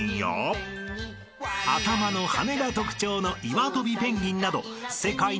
［頭の羽が特徴のイワトビペンギンなど世界には１８種類］